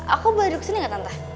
aku boleh duduk sini gak tante